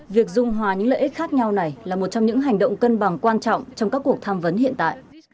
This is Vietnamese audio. việc dung hòa những lợi ích khác nhau này là một trong những hành động cân bằng quan trọng trong các cuộc tham vấn hiện tại